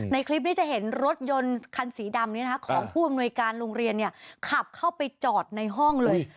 ในคลิปนี้จะเห็นรถยนต์คันสีดำของผู้อำนวยการโรงเรียนขับเข้าไปจอดในห้องเลย